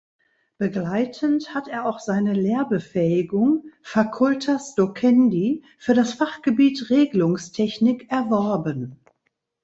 Begleitend hat er auch seine Lehrbefähigung (facultas docendi) für das Fachgebiet Regelungstechnik erworben.